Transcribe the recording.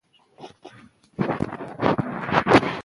مرګ د ګناهکارانو لپاره د وېرې ځای دی.